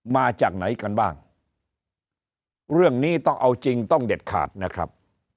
มาจากไหนกันบ้างเรื่องนี้ต้องเอาจริงต้องเด็ดขาดนะครับ